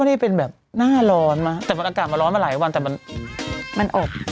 พี่ณเดชน์หน่อยดีกว่า